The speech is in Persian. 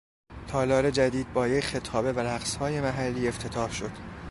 تالار جدید با یک خطابه و رقصهای محلی افتتاح شد.